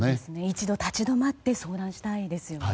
一度立ち止まって相談したいですよね。